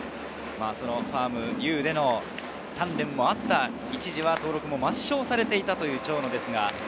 ファームでの鍛錬もあった、一時は登録を抹消されていた長野です。